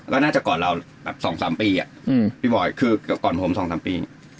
ก็น่าจะก่อนเรา๒๓ปีพี่บอยก็ก่อนผม๒๓ปี